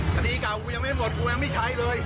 คดีเก่ากูยังไม่หมดกูยังไม่ใช้เลย